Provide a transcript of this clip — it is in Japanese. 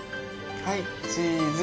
はいチーズ。